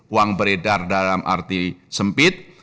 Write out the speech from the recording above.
uang beredar dalam arti sempit